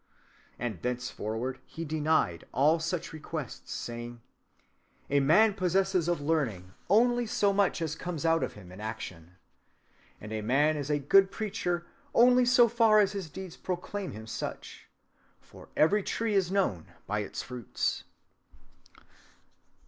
... And thenceforward he denied all such requests, saying: 'A man possesses of learning only so much as comes out of him in action, and a monk is a good preacher only so far as his deeds proclaim him such, for every tree is known by its fruits.